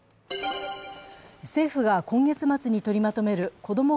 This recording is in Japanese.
政府が今月末に取りまとめる子ども